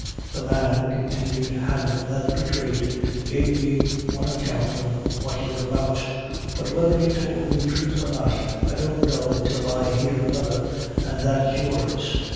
"The man," continued Hanlon, "that betrayed you gave me one account of what you're about; but whether he tould me thruth or not I don't know till I hear another, an' that's yours.